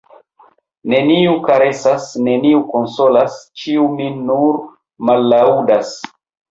Neniu karesas, neniu konsolas, ĉiu min nur mallaŭdas.